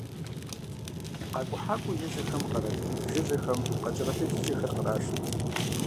Къэкӏухьакӏуэ ежьэхэм къэрал жыжьэхэм къэкӏыгъэ телъыджэхэр кърашырт.